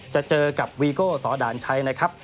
จะเจอกับวีโก้สอด่านชัยนะครับ